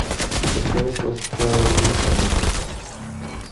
The place was thoroughly renovated.